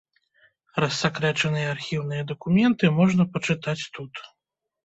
Рассакрэчаныя архіўныя дакументы можна пачытаць тут.